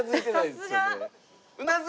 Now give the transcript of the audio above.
さすが！